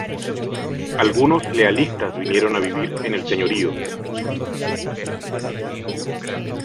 Algunos Lealistas vinieron a vivir en el señorío.